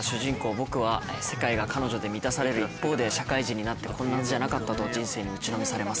「僕」は世界が彼女で満たされる一方で社会人になってこんなはずじゃなかったと人生に打ちのめされます。